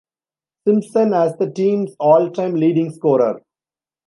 Simpson as the team's all-time leading scorer.